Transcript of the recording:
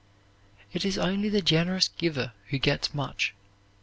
It is only the generous giver who gets much.